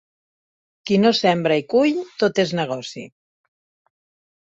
Qui no sembra i cull, tot és negoci.